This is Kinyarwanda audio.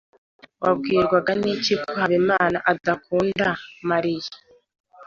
Wabwirwa n'iki ko Habimana adakunda Mariya?